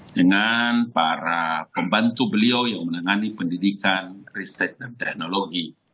dengan para pembantu beliau yang menangani pendidikan riset dan teknologi